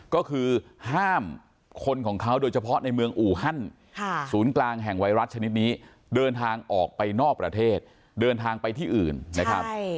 ก็คือห้ามคนของเขาโดยเฉพาะในเมืองอูฮันศูนย์กลางแห่งไวรัสชนิดนี้เดินทางออกไปนอกประเทศเดินทางไปที่อื่นนะครับ